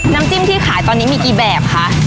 น้ำจิ้มที่ขายตอนนี้มีกี่แบบคะ